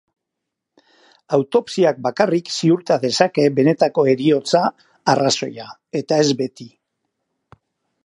Autopsiak bakarrik ziurta dezake benetako heriotza arrazoia, eta ez beti.